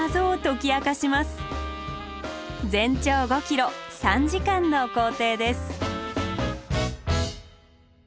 全長５ｋｍ３時間の行程です。